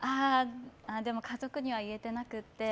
家族には言えてなくて。